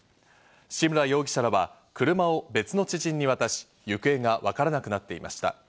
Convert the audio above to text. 志村容疑者らは車を別の知人に渡し、行方がわからなくなっていました。